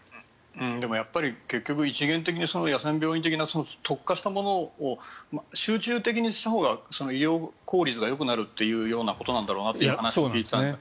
でもやっぱり結局、一元的に野戦病院的な特化したものを集中的にしたほうが医療効率がよくなるんだろうなと話を聞いていて思いました。